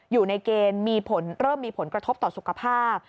อยู่ในเกณฑ์มีผลเริ่มมีผลกระทบต่อสุขภาพ